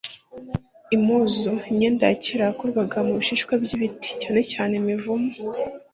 impuzu imyenda ya kera yakorwaga mu bishishwa by'ibiti, cyanecyane imivumu